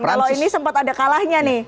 kalau ini sempat ada kalahnya nih